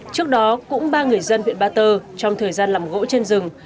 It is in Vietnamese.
trước đó cũng ba người dân huyện ba tơ trong thời gian làm gỗ trên rừng